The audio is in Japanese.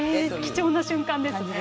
貴重な瞬間ですね。